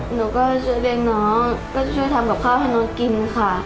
หนูก็ช่วยเลี้ยงน้องก็ช่วยทำกับข้าวให้น้องกินค่ะ